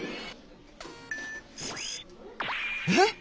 えっ？